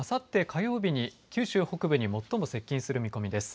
火曜日に九州北部に最も接近する見込みです。